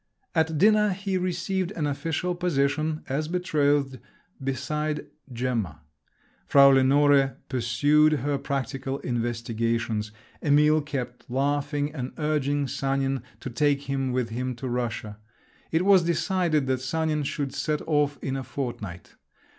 At dinner he received an official position, as betrothed, beside Gemma. Frau Lenore pursued her practical investigations. Emil kept laughing and urging Sanin to take him with him to Russia. It was decided that Sanin should set off in a fortnight.